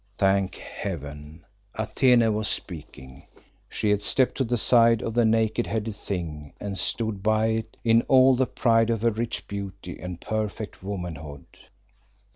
Thank Heaven, Atene was speaking. She had stepped to the side of the naked headed Thing, and stood by it in all the pride of her rich beauty and perfect womanhood.